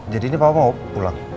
jadi ini papa mau pulang